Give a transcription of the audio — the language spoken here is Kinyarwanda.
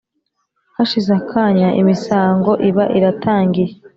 hashize akanya imisango iba iratangiye,